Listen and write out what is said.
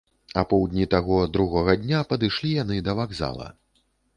Апоўдні таго, другога, дня падышлі яны да вакзала.